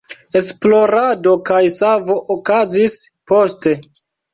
Esplorado kaj savo okazis poste.